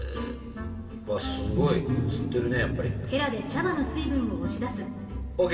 うわすごい吸ってるねやっぱり。ＯＫ！